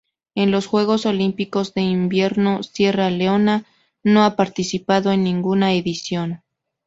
En los Juegos Olímpicos de Invierno Sierra Leona no ha participado en ninguna edición.